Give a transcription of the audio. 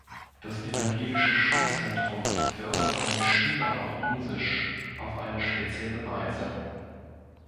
Das Evangelische Schulzentrum fördert seine Schüler auch musisch auf eine spezielle Weise.